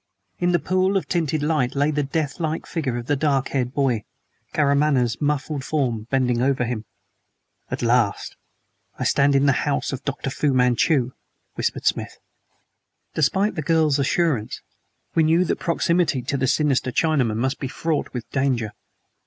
In the pool of tinted light lay the deathlike figure of a dark haired boy, Karamaneh's muffled form bending over him. "At last I stand in the house of Dr. Fu Manchu!" whispered Smith. Despite the girl's assurance, we knew that proximity to the sinister Chinaman must be fraught with danger.